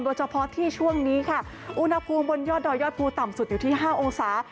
โดยเฉพาะที่ช่วงนี้ค่ะอุณหภูมิบนยอดดอยยอดภูต่ำสุดอยู่ที่๕องศา